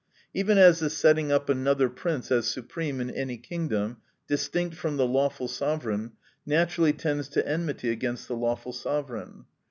Even as the setting up another prince as supreme in any kingdom, distinct from the lawful sovereign, naturally tends to enmity against the lawful sovereign.